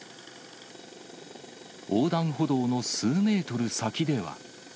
横断歩道の数メートル先では。